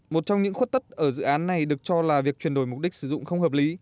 một trong những khuất tất ở dự án này được cho là việc chuyển đổi mục đích sử dụng không hợp lý